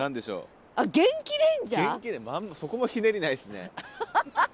そこもひねりないですね。